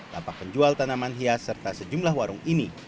lapak penjual tanaman hias serta sejumlah warung ini